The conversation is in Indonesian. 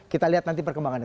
kita lihat nanti perkembangan